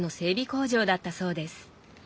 工場だったそうです。